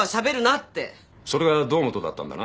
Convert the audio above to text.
ってそれが堂本だったんだな？